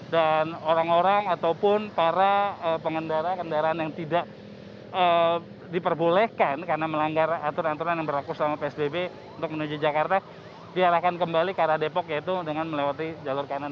dan orang orang ataupun para pengendara kendaraan yang tidak diperbolehkan karena melanggar aturan aturan yang berlaku sama psbb untuk menuju jakarta diarahkan kembali ke arah depok yaitu dengan melewati jalur kanan